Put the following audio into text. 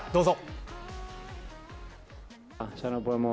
どうぞ。